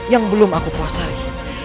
yang belum aku puasai